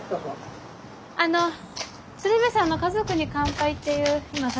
あの鶴瓶さんの「家族に乾杯」っていう今撮影してるんですけど。